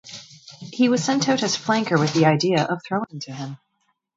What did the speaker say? He was sent out as flanker with the idea of throwing to him.